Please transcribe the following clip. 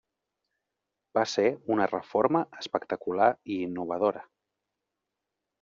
Va ser una reforma espectacular i innovadora.